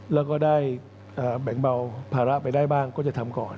แล้วก็ได้แบ่งเบาภาระไปได้บ้างก็จะทำก่อน